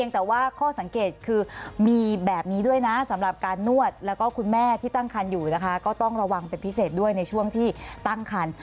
แต่ว่าข้อสังเกตคือมีแบบนี้ด้วยนะสำหรับการนวดแล้วก็คุณแม่ที่ตั้งคันอยู่นะคะก็ต้องระวังเป็นพิเศษด้วยในช่วงที่ตั้งคัน